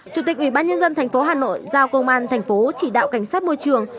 chủ tịch ủy ban nhân dân thành phố hà nội giao công an thành phố chỉ đạo cảnh sát môi trường